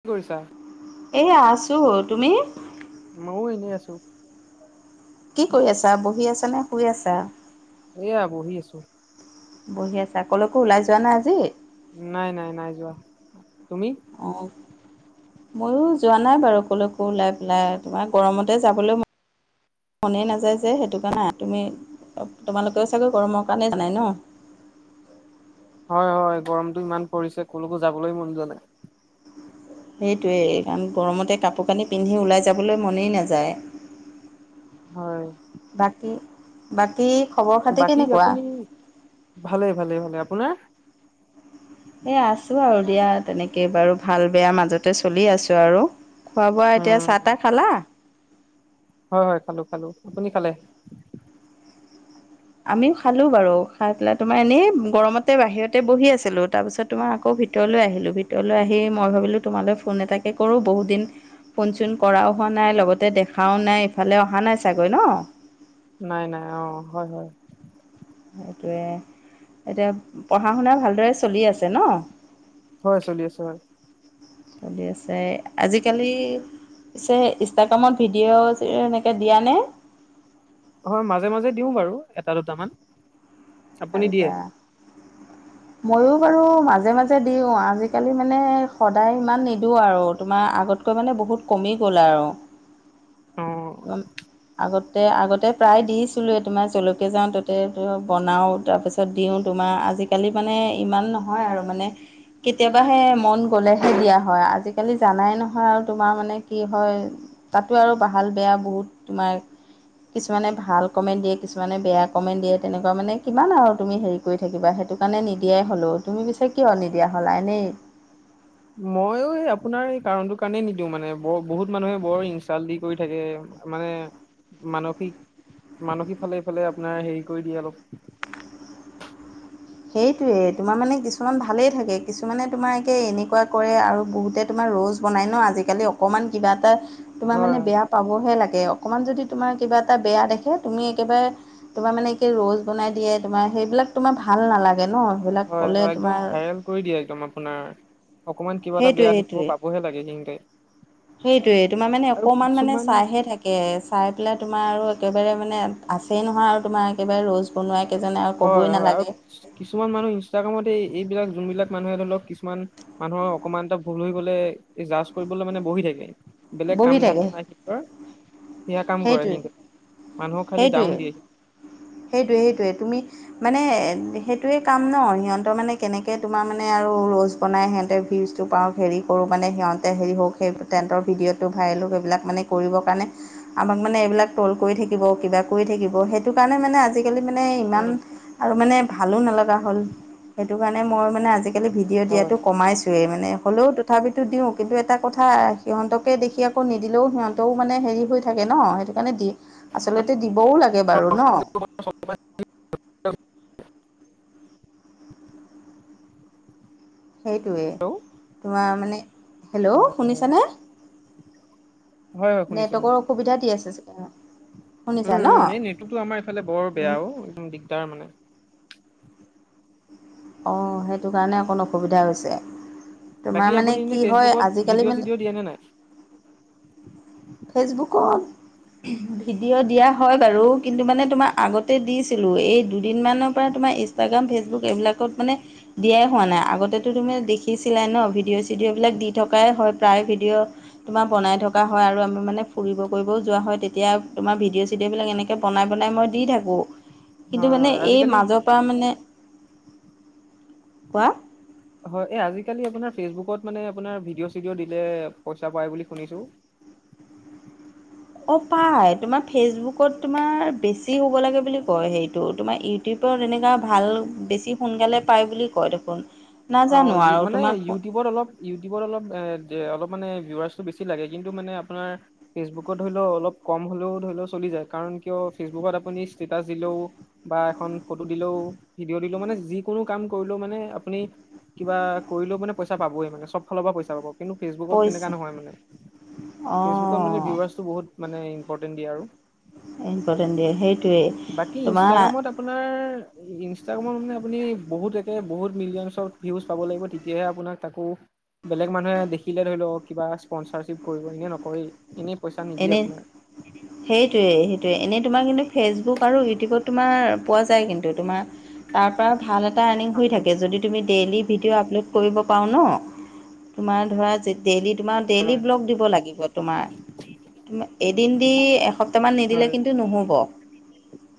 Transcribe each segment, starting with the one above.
কি কৰিছা? এই আছোঁ, তুমি? মইয়ও, এনেই আছো কি কৰি আছা? বহি আছা নে শুই আছা এয়া বহি আছো বহি আছে আকলৈকো ওলাই যোৱা নাই আজি নাই, নাই, নাই, যোৱা তুমি? অ', - ময়ো যোৱা নাই বাৰু, কলৈকো ওলাই পেলাই তোমাৰ গৰমতে যাবলৈ ম মনে নাযায় যে, সেইটো কাৰণে তুমি তোমালোকেও চাগৈ, গৰমৰ কাৰণেই জানাই ন হয়, হয়, গৰমতটো ইমান পৰিছে কলৈকো যাবলৈ মন যোৱা নাই সেইটোৱেই কাৰণ, গৰমতে কাপোৰ কানি পিন্ধি ওলাই যাবলৈ মনেই নাযায় হয়। বাকী, বাকী খবৰ খাতি বাকী কেনেকুৱা? আপুনি ভালে, ভালেই, ভালে আপোনাৰ? এই আছো আৰু দিয়া, তেনেকেই বাৰু ভাল বেয়া মাজতে চলি আছো আৰু খোৱা বোৱা এতিয়া, উম চাহ তাহ খালা? হয়, হয়, খালো খালো আপুনি খালে? আমিও খালো বাৰু, খাই পেলাই তোমাৰ এনেই গৰমতে বাহিৰতে বহি আছিলো তাৰপিছত তোমাৰ আকৌ ভিতৰলৈ আহিলোঁ ভিতৰলৈ আহি মই ভাবিলোঁ তোমালৈ ফোন এটাকে কৰোঁ বহুত দিন ফোন চোন কৰাও হোৱা নাই লগতে দেখাও নাই ইফালে অহা নাই চাগৈ ন নাই নাই অ হয় হয় সেইটোৱে এতিয়া পঢ়া শুনা ভালদৰে চলি আছে ন হয় চলি আছে হয় চলি আছে আজিকালি পিছে ইনষ্টাগ্ৰামত ভিডিঅ' এনেকে দিয়া নে হয় মাজে মাজে দিও বাৰু এটা দুটামান আপুনি দিয়ে? তাৰপিছ [inaudible] ময়ো বাৰু মাজে মাজে দিওঁ আজিকালি মানে সদায় ইমান নিদিওঁ আৰু তোমাৰ আগত কৈ মানে বহুত কমি গ'ল আৰু অ মম আগতে আগতে প্ৰায় দিছিলো তোমাৰ জলকে যাও ততে বনাও তাৰপিছত তপিছত দিওঁ তোমাৰ আজিকালি মানে ইমান নহয় আৰু মানে কেতিয়াবাহে মন গ'লেহে দিয়া হয় আজিকালি জানাই নহয় আৰু তোমাৰ মানে কি হয় তাতো আৰু ভাল বেয়া বহুত তোমাৰ কিছুমানে ভাল কমেণ্ট দিয়ে কিছুমানে বেয়া কমেণ্ট দিয়ে তেনেকুৱা মানে কিমান আৰু তুমি হেৰি কৰি থাকিবা সেইটো কাৰণে নিদিয়াই হ'লো তুমি পিছে কিয় নিদিয়া হ'লা এনেই মইও এই আপোনাৰ এই কাৰণটোৰ কাৰণে নিদিওঁ মানে বৰ বহুত মানুহে বৰ ইনচাল দি কৰি থাকে মানে মানসিক মানসিক ফালে এইফালে আপোনাৰ হেৰি কৰি দিয়ে অলপ সেইটোয়ে তোমাৰ মানে কিছুমান ভালেই থাকে কিছুমানে তোমাৰ একে এনেকুৱা কৰে আৰু বহুতে তোমাৰ ৰ'লছ বনাই ন আজিকালি অকমান কিবা এটা তোমাৰ হয়। মানে বেয়া পাবহে লাগে অকণমান যদি তোমাৰ কিবা এটা বেয়া দেখে তুমি একেবাৰে তোমাৰ মানে কি ৰ'লছ বনাই দিয়ে তোমাৰ সেইবিলাক তোমাৰ ভাল নালাগে ন সেইবিলাক হয় ক'লে হয় একদম তোমাৰ ভেল কৰি দিয়ে একদম আপোনাৰ অকমান কিবা এটা সেইটোৱে বেয়া দেখিব পাবহে লাগে সিন্তে সেইটোয়ে তোমাৰ মানে অকমান মানে চাইহে থাকে চাই পেলাই তোমাৰ আৰু একেবাৰে মানে আছেই নহয় আৰু তোমাৰ একেবাৰে ৰ'লছ বনোৱা কেইজনে আৰু হয় ক'বই হয় আৰু নালাগে কিছুমান মানুহ ইনষ্টাগ্ৰামত এইবিলাক যোনবিলাক মানুহে ধৰি লক কিছুমান মানুহৰ অকমান এটা ভুল হৈ গলে জাৰ্জ কৰিবলৈ মানে বহি থাকে বেলেগ বহি কাম ধান্দা থাকে নাই সিঁহতৰ সেয়া কাম কৰে সেইটোৱে সিহতে মানুহক খালি ডাউন দিয়ে সেইটোয়ে সেইটোয়ে তুমি মানে সেইটোয়ে কাম ন সিহঁতৰ মানে কেনেকে তোমাৰ মানে আৰু ৰ'লছ বনাই সিহঁতে ভিউজ টো পাওঁ হেৰি কৰোঁ মানে সিহঁতে হেৰি হওক সেই টেণ্টৰ ভিডিঅ'টো ভাইৰেল হওক সেবিলাক মানে কৰিবৰ কাৰণে আমাক মানে এইবিলাক ট্ৰ'ল কৰি থাকিব কিবা কৰি থাকিব সেইটো কাৰণে মানে আজিকালি মানে ইমান উম আৰু মানে ভালো নলগা হ'ল সেইটো কাৰণে মই মানে আজিকালি ভিডিঅ' হয় দিয়াটো কমাইছোঁ ে মানে হ'লেও তথাপিতো দিও কিন্তু এটা কথা সিহঁতকে দেখি আকৌ নিদিলেও সিহঁতও মানে হেৰি হৈ থাকে ন সেইটো কাৰণে দি আচলতে দিবও লাগে বাৰু ন চল কথা সেইটোৱে হেল্ল' তোমাৰ মানে হেল্ল' শুনিছানে হয় হয় শুনিছো শুনিছো। নেটৱৰ্কৰ অসুবিধা দি আছে চাগে অ উম উম এই নেটতো আমাৰ এইফালে বৰ বেয়া অ একদম দিগদাৰ মানে অঁ সেইটো কাৰণে অকণ অসুবিধা হৈছে তোমাৰ মানে কি হয় আজিকালি মানে দিয়া নে নাই ফেচবুকত ভিডিঅ' দিয়া হয় বাৰু কিন্তু মানে তোমাৰ আগতে দিছিলো এই দু দিনমানৰ পৰা তোমাৰ ইনষ্টাগ্ৰাম ফেচবুক এইবিলাকত মানে দিয়াই হোৱা নাই আগতেতো তুমি দেখিছিলা ন ভিডিঅ' চিডিঅ'বিলাক দি থকাই হয় প্ৰায় ভিডিঅ' তোমাৰ বনাই থকা হয় আৰু আ মানে ফুৰিব কৰিবও যোৱা হয় তেতিয়া তোমাৰ ভিডিঅ' চিডিঅ' বিলাক এনেকে বনাই বনাই মই দি থাকো কিন্তু হয় মানে হয় এই আজিকালি মাজৰ পৰা মানে কোৱা হয় এই আজিকালি আপোনাৰ ফেচবুকত মানে আপোনাৰ ভিডিঅ' চিডিঅ' দিলে পইচা পায় বুলি শুনিছোঁ অ পাই তোমাৰ ফেচবুকত তোমাৰ বেছি হ'ব লাগে বুলি কয় সেইটো তোমাৰ ই ইউটিউবত তেনেকুৱা ভাল বেছি সোনকালে পায় বুলি কয় দেখোন অ নাজানো আৰু মানে তোমাক ইউটিউবত অলপ ইউটিউবত অলপ এ অলপ মানে ভিউৱাৰ্চটো বেছি লাগে কিন্তু মানে আপোনাৰ ফেচবুকত ধৰি ল অলপ কম হলেও ধৰি ল চলি যায় কাৰণ কিয় ফেচবুকত আপুনি ষ্টেটাচ দিলেও বা এখন ফটো দিলেও ভিডিঅ' দিলেও মানে যিকোনো কাম কৰিলেও মানে আপুনি কিবা কৰিলেও মানে পইচা পাবই মানে চব ফালৰ পৰা পইচা পাব কিন্তু ফেচবুকত পইচা তেনেকুৱা নহয় মানে ফেচবুকত মানে অঁ ভিউৱাৰ্চটো বহুত মানে ইম্পৰ্টেণ্ট দিয়ে আৰু ইম্পৰ্টেণ্ট দিয়ে বাকী সেইটোৱেই তোমাৰ ইনষ্টাগ্ৰামত আপোনাৰ ইনষ্টাগ্ৰামত মানে আপুনি বহুত একে বহুত মিলিয়নছৰ ভিউজ পাব লাগিব তেতিয়াহে আপোনাক তাকো বেলেগ মানুহে দেখিলে ধৰি লও কিবা স্পনচাৰশ্বিপ কৰিব এনেই নকৰেই এনেই পইচা নিদিয়ে এনে আপোনাৰ। সেইটোৱে সেইটোৱে এনে তোমাৰ, কিন্তু ফেচবুক আৰু ইউটিউবত তোমাৰ পোৱা যায়, কিন্তু তোমাৰ তাৰ পৰা ভাল এটা আৰ্নিং হৈ থাকে। যদি তুমি ডেইলি ভিডিঅ' আপলোড কৰিব পাৰোঁ ন তোমাৰ ধৰা যেত ডেইলি তোমাৰ ডেইলি হয় ব্লগ দিব লাগিব তোমাৰ। তুমি এদিন দি এসপ্তাহ মান নিদিলে হয় কিন্তু নহ'ব।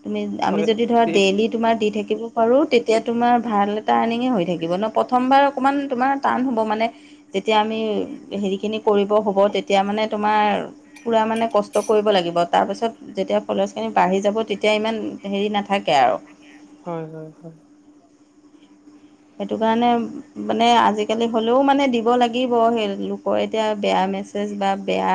তুমি, আমি হয় যদি ধৰা ঠিক ডেইলি তোমাৰ দি থাকিব পাৰোঁ, তেতিয়া তোমাৰ ভাল এটা আৰ্নিঙে হৈ থাকিব ন! প্ৰথমবাৰ অকণমান তোমাৰ টান হ'ব মানে, যেতিয়া আমি হেৰিখিনি কৰিব হ'ব, তেতিয়া মানে তোমাৰ পুৰা মানে কষ্ট কৰিব লাগিব। তাৰ পাছত যেতিয়া ফলোৱাৰ্ছ খিনি বাঢ়ি যাব, তেতিয়া ইমান হেৰি নাথাকে আৰু। ঠিকে হয়, হয়, হয়। সেইটো কাৰণে মানে, আজিকালি হ'লেও মানে দিব লাগিব। সেই লোকৰ এতিয়া বেয়া মেছে ছেজ বা বেয়া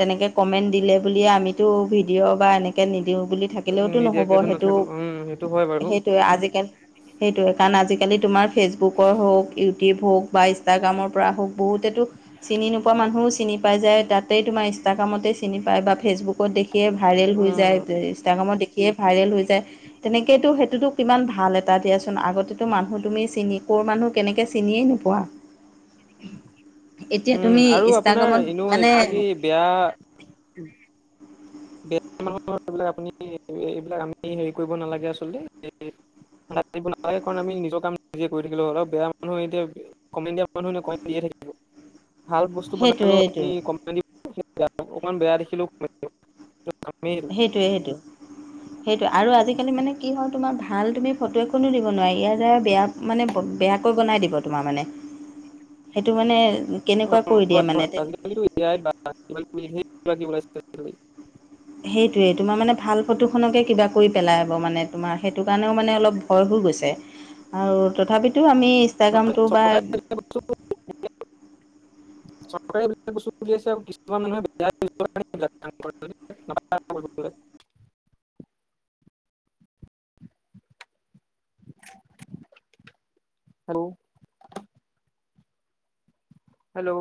তেনেকে কমেণ্ট দিলে বুলিয়ে আমিটো ভিড ডিঅ' বা এনেকৈ নিদিওঁ বুলি থাকিলেওতো নহ'ব নিদিয়াকেতো সেইটো নাথাকো উম সেইটো হয় বাৰু। সেইটোৱে আজিকালি সেইটোৱে, কাৰণ আজিকালি তোমাৰ ফেচবুকৰ হওঁক, ইউটিউব হওঁক বা ইনষ্টাগ্ৰামৰ পৰা হওঁক বহুতেতো চিনি নোপোৱা মানুহো চিনি পাই যায় তাত তে তোমাৰ ইনষ্টাগ্ৰামতে চিনি পায় বা ফেচবুকত দেখিয়ে ভাইৰেল হৈ উম যায় বে ইনষ্টাগ্ৰামত দে খিয়ে ভাইৰেল হৈ যায়। তেনেকে তো সেইটোতো কিমান ভাল এটা দিয়াচোন। আগতেটো মানুহ তুমি চিনি ক'ৰ মানুহ, কেনেকে চিনিয়েই নোপোৱা। এতিয়া উম তুমি ইনষ্টাগ্ৰামত মানে তিয়া [unintelligible] এইবিলাক আপুনি এই এইবিলাক আমি হেৰি কৰিব নালাগে আচলতে [unintelligible] লাজ দিব নাপায়। কাৰণ আমি নিজৰ কাম নিজে কৰি থাকিলো হ'ল আৰু বেয়া মানুহে এতিয়া কমেণ্ট দিয়া মানুহে নো কমেণ্ট দিয়ে থাকিব। ভাল বস্তু সেইটোৱে বনালেও আপুনি সেইটোৱে কমেণ্ট দিব, [unintelligible] বেয়া অকমান বেয়া দেখিলেও কমেণ্ট দিব। তো আমি সেইটোৱে সেইটো। সেইটোৱে আৰু আজিকালি মানে কি হয় তোমাৰ ভাল তুমি ফটো এখনো দিব নোৱাৰি। ইয়াতে বেয়া মানে ব বেয়াকৈ বনাই দিব তোমাৰ মানে। সেইটো মানে, কেনেকুৱা কৰি দিয়া মানে তে [unintelligible] এতিয়াই বা ইমান [unintelligible] হেই কিবা কিবি ওলাইছিলে। সেইটোয়ে। তোমাৰ মানে ভাল ফটোখনকে কিবা কৰি পেলাব মানে তোমাৰ সেইটো কাৰণেও মানে অলপ ভয় হৈ গৈছে। আৰু তথাপিতো আমি নহয় ইনষ্টাগ্ৰামটো বা চৰকাৰে এইবিলাক [unintelligible] চৰকাৰে যিবিলাক বস্তু উলিয়াইছে আৰু কিছুমান মানুহে বেয়া ইউজ কৰিব কাৰণে সেইবিলাক কাম কৰে। নাপায় কৰিবলৈ। Hello hello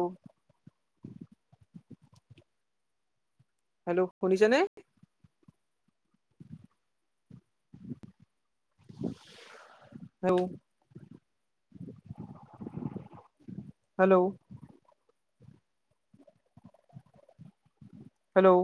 হেল্ল'শুনিছেনে? [inaudible] Hello hello hello